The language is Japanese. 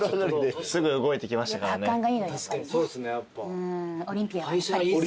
そうですねやっぱ。